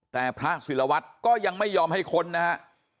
แต่พระศิลวัตรก็ยังไม่ยอมให้ค้นนะฮะ